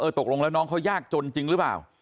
ตกลงแล้วน้องเขายากจนจริงหรือเปล่า